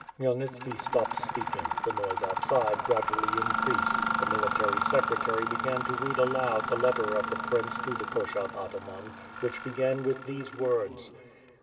'' Khmyelnitski stopped speaking; the noise outside gradu ally increased; the military secretary began to read aloud the letter of the prince to the Koshov Ataman, which began with these words.